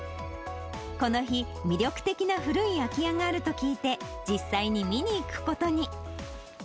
この日、魅力的な古い空き家があると聞いて、実際に見に行くことに。